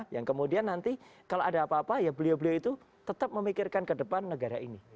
yang kemudian nanti kalau ada apa apa ya beliau beliau itu tetap memikirkan ke depan negara ini